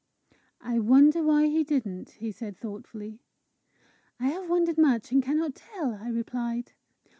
"I wonder why he didn't!" he said thoughtfully. "I have wondered much, and cannot tell," I replied.